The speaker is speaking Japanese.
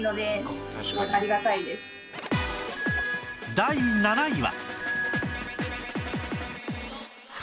第７位は